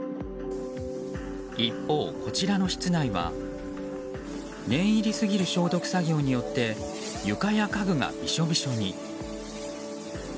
一方、こちらの室内は念入りすぎる消毒作業によって床や家具がびしょびしょに。